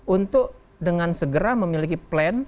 untuk dengan segera memiliki plan